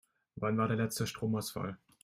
Wann war der letzte Stromausfall?